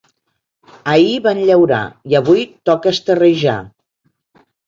Ahir van llaurar i avui toca esterrejar.